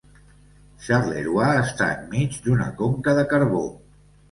Charleroi està enmig d'una conca de carbó.